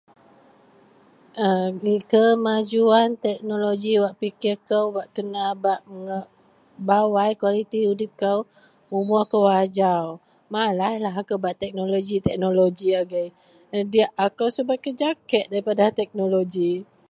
a kemajuan teknologi wak pikir kou wak kena bak ng bawai kualiti udip kou, umor kou ajau, malaslah akou bak teknologi-teknologi agei, diyak akou subet kerja kek daripada teknologi